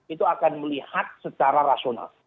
itu akan melihat secara rasional